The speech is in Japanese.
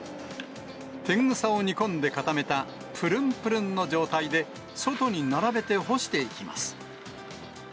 てんぐさを煮込んで固めたぷるんぷるんの状態で、外に並べて干していきます。